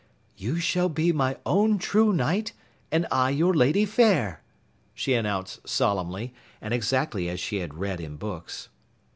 "You shall be my own true Knight, and I your Lady Fair!" she announced solemnly, and exactly as she had read in books.